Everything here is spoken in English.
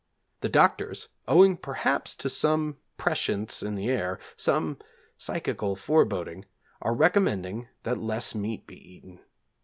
The doctors, owing perhaps to some prescience in the air, some psychical foreboding, are recommending that less meat be eaten.